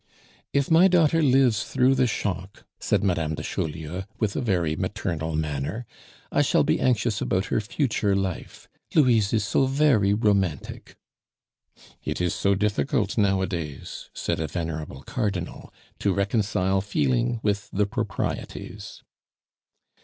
"If my daughter lives through the shock," said Madame de Chaulieu, with a very maternal manner, "I shall be anxious about her future life. Louise is so very romantic." "It is so difficult nowadays," said a venerable Cardinal, "to reconcile feeling with the proprieties."